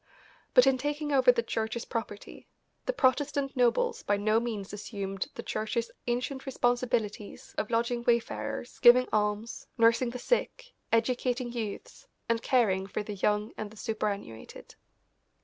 But in taking over the Church's property the Protestant nobles by no means assumed the Church's ancient responsibilities of lodging wayfarers, giving alms, nursing the sick, educating youths, and caring for the young and the superannuated.